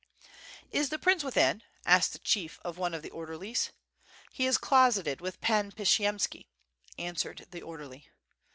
"Is the prince within," asked the chief of one of the order lies. "He is closeted with Pan Pshiyemski," answered the orderly.